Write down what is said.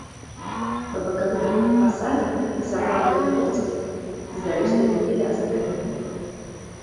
Па бакавых фасадах несапраўдныя порцікі з дарычнымі пілястрамі.